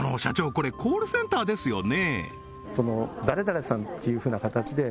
これコールセンターですよね？